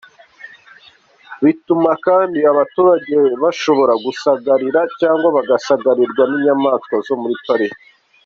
Bituma kandi abaturage bashobora gusagarira cyangwa bagasagarirwa n’inyamaswa zo muri pariki.